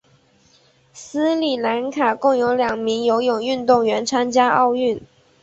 斯里兰卡共有两名游泳运动员参加奥运。